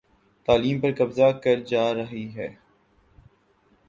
تعلیم پر قبضہ کر جا رہی ہے